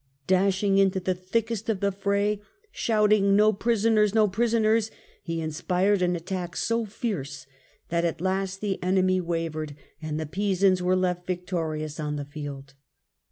Dashing into the thickest of the fray, shout ing "no prisoners, no prisoners," he inspired an attack so fierce that at last the enemy wavered, and the Pisans were left victorious on the field.